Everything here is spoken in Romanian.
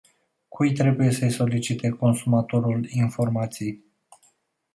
Cui trebuie să-i solicite consumatorul informații?